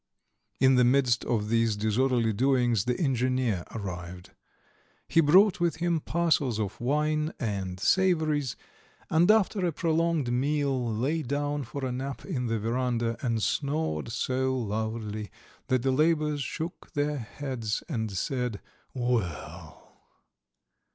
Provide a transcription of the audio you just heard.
In the midst of these disorderly doings the engineer arrived; he brought with him parcels of wine and savouries, and after a prolonged meal lay down for a nap in the verandah and snored so loudly that the labourers shook their heads and said: "Well!"